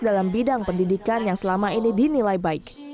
dalam bidang pendidikan yang selama ini dinilai baik